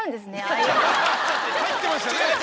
入ってましたね